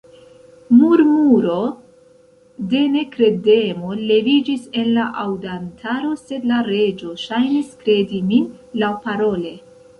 Murmuro de nekredemo leviĝis en la aŭdantaro, sed la Reĝo ŝajnis kredi min laŭparole.